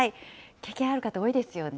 経験ある方、多いですよね。